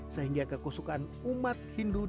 sehingga kekusukan umat hindu